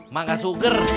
mak gak suger